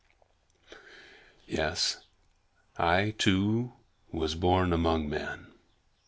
Yes, I too was born among men.